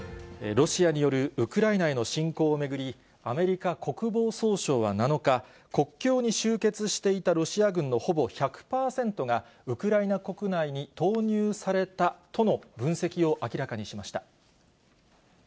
ロシアによるウクライナへの侵攻を巡り、アメリカ国防総省は７日、国境に集結していたロシア軍のほぼ１００％が、ウクライナ国内に投入されたとの分析を明らかにしました。